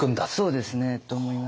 そうですね。と思いますけれど。